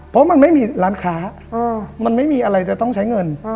เพราะมันไม่มีร้านค้ามันไม่มีอะไรจะต้องใช้เงิน